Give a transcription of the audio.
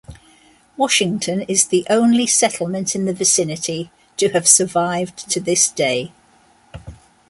Washington is the only settlement in the vicinity to have survived to this day.